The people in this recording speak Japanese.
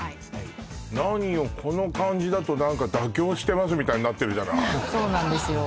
何よこの感じだと何か妥協してますみたいになってるじゃないそうなんですよ